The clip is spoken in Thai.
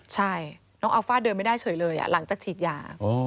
ใช่น้องอัลฟ่าเดินไม่ได้เฉยเลยหลังจากฉีดยา